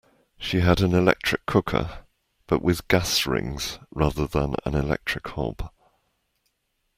She had an electric cooker, but with gas rings rather than an electric hob